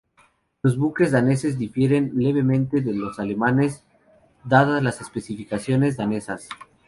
Los buques daneses difieren levemente de los alemanes dadas las especificaciones danesas.